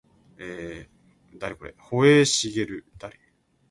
保栄茂